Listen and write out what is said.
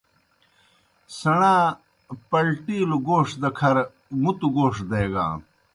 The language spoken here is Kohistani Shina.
سیْݨا پلٹِیلوْ گوݜ دہ کھر مُتوْ گوݜ دیگان۔